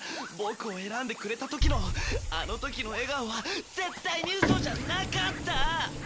ボクを選んでくれた時のあの時の笑顔は絶対にウソじゃなかった！